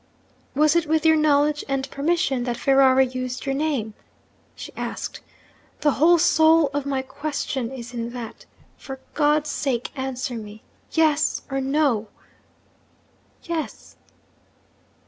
'Was it with your knowledge and permission that Ferrari used your name?' she asked. 'The whole soul of my question is in that. For God's sake answer me Yes, or No!' 'Yes.'